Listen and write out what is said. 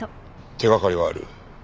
手掛かりはある。